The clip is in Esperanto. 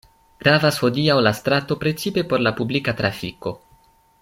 Gravas hodiaŭ la strato precipe por la publika trafiko.